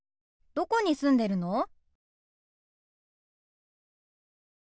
どこに住んでるの？